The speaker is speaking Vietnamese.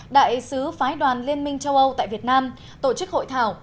đại sứ phái đoàn liên minh châu âu tại việt nam tổ chức hội thảo